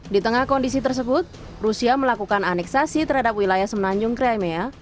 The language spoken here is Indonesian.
di tengah kondisi tersebut rusia melakukan aneksasi terhadap wilayah semenanjung cramea